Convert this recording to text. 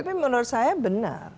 tapi menurut saya benar